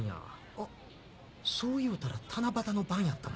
あそういうたら七夕の晩やったな。